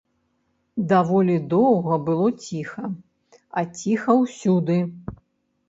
Даволі доўга было ціха а ціха ўсюды.